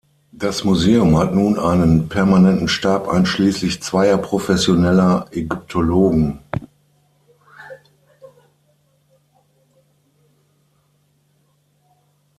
Das Museum hat nun einen permanenten Stab einschließlich zweier professioneller Ägyptologen.